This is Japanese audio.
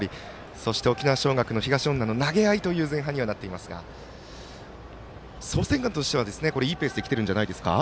そして沖縄尚学の東恩納の投げ合いという前半となっていますが創成館としては、いいペースできているんじゃないですか？